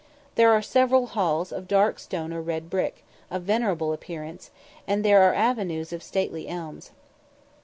There are several halls of dark stone or red brick, of venerable appearance, and there are avenues of stately elms.